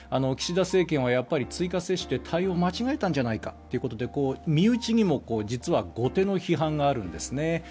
岸田政権はやっぱり追加接種で対応を間違えたんじゃないかということで身内にも実は後手の批判があるんですね。